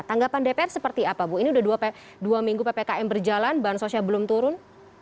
tanggapan dpr seperti apa bu ini sudah dua minggu ppkm berjalan bansosnya belum turun